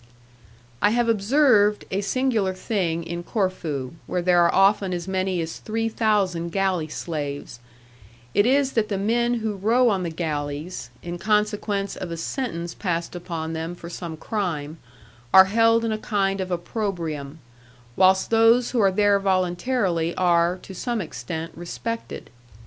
I have observed a singular thing in Corfu, where there are often as many as three thousand galley slaves; it is that the men who row on the galleys, in consequence of a sentence passed upon them for some crime, are held in a kind of opprobrium, whilst those who are there voluntarily are, to some extent, respected.